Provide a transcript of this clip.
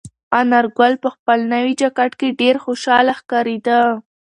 انارګل په خپل نوي جاکټ کې ډېر خوشحاله ښکارېده.